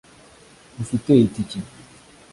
ufite itike